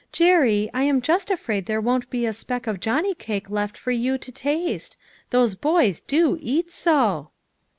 "Jerry, I am just afraid there won't be a speck of johnny cake left for you to taste. Those boys do eat so